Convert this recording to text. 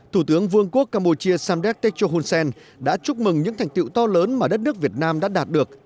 thủ tướng vương quốc campuchia samdek techo hunsen đã chúc mừng những thành tựu to lớn mà đất nước việt nam đã đạt được